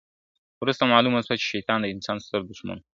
وروسته معلومه سوه، چي شيطان د انسان ستر دښمن وو.